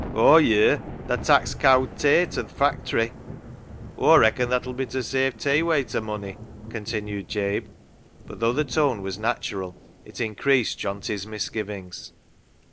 Aw ye'r, tha tak's cowd tay to th' factory ; Aw reacon that'll be to save tay wayter money," continued Jabe. But though the tone was natural, it increased Johnty's misgivings.